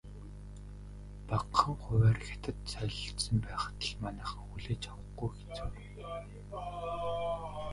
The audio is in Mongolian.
Багахан хувиар Хятад холилдсон байхад л манайхан хүлээж авахгүй хэцүүднэ.